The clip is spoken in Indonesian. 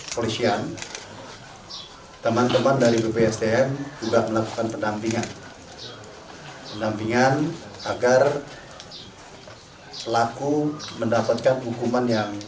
polisian teman teman dari bpsdm juga melakukan pendampingan agar pelaku mendapatkan hukuman yang